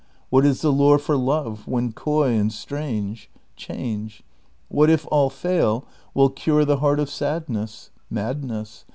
What is the lure for love when coy and strange ? Change. What, if all fail, will cure the lieart of sadness ? Madness.